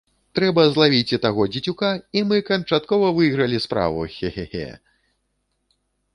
Трэба злавіць і таго дзецюка, і мы канчаткова выйгралі справу, хе-хе-хе!